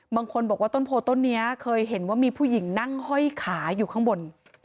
บางคนบอกว่าต้นโพต้นนี้เคยเห็นว่ามีผู้หญิงนั่งห้อยขาอยู่ข้างบน